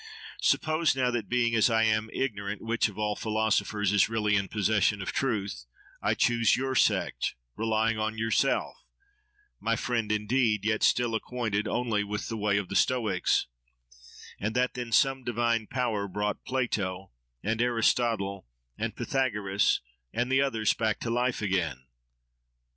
Suppose now, that, being as I am, ignorant which of all philosophers is really in possession of truth, I choose your sect, relying on yourself—my friend, indeed, yet still acquainted only with the way of the Stoics; and that then some divine power brought Plato, and Aristotle, and Pythagoras, and the others, back to life again.